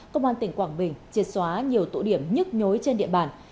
công an tỉnh quảng bình triệt xóa nhiều tụ điểm nhức nhối trên địa bàn